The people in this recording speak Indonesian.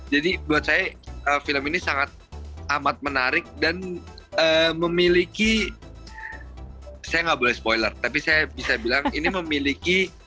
jadi buat saya film ini sangat amat menarik dan memiliki saya nggak boleh spoiler tapi saya bisa bilang ini memiliki